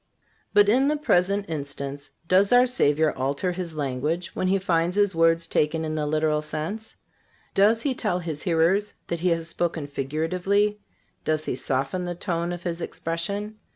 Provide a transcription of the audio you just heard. (371) But in the present instance does our Savior alter His language when He finds His words taken in the literal sense? Does He tell His hearers that He has spoken figuratively? Does He soften the tone of His expression?